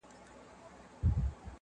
پرون مي دومره درته وژړله.